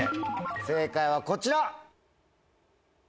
正解はこちら。